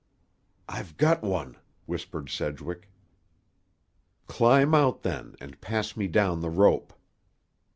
"I've got one," whispered Sedgwick. "Climb out, then, and pass me down the rope."